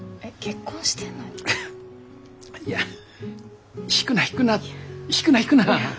いや引くな引くな引くな引くな。